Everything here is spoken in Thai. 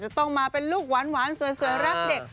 ต้องมาเป็นลูกหวานสวยรักเด็ก